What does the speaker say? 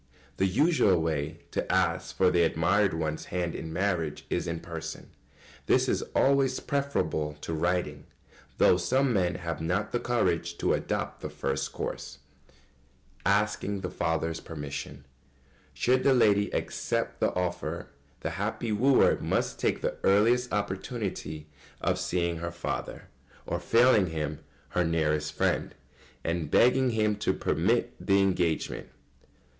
] The usual way to ask for the admired one's hand in marriage is in person. This is always preferable to writing, though some men have not the courage to adopt the first course. [Sidenote: Asking the father's permission.] Should the lady accept the offer, the happy wooer must take the earliest opportunity of seeing her father, or, failing him, her nearest friend, and begging him to permit the engagement.